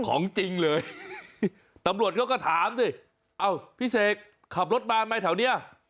ของจริงเลยตำรวจเขาก็ถามสิเอ้าพี่เสกขับรถมาไหมแถวนี้